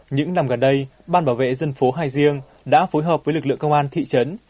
những năm gần đây ban bảo vệ dân phố hai riêng đã phối hợp với lực lượng công an thị trấn